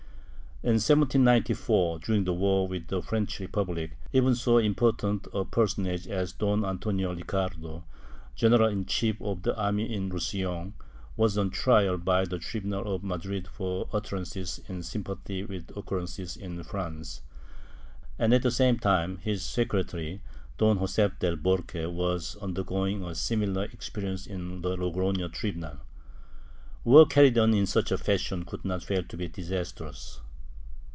In 1794, during the war with the French Republic, even so important a personage as Don Antonio Ricardo, general in chief of the army in Roussillon, was on trial by the tribunal of Madrid for utter ances in sympathy with occurrences in France and, at the same time, his secretary, Don Josef del Borque, was undergoing a simi lar experience in the Logroho tribunal.^ War carried on in such fashion could not fail to be disastrous.